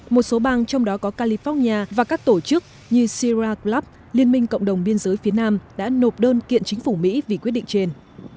một số bang trong đó có california và các tổ chức như sira club liên minh cộng đồng biên giới phía nam đã nộp đơn kiện chính phủ mỹ vì quyết định trên